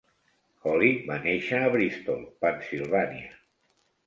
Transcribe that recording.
Holly va néixer a Bristol, Pennsilvània.